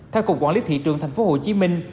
theo cục quản lý thị trường thành phố hồ chí minh